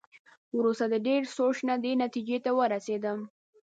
وروسته د ډېر سوچ نه دې نتېجې ته ورسېدم.